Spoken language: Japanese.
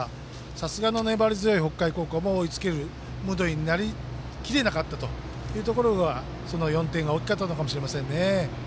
さすがの粘り強い北海高校も追いつけるムードになりきれなかったというところでその４点が大きかったのかもしれませんね。